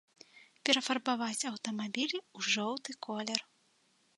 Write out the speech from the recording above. Перафарбаваць аўтамабілі ў жоўты колер.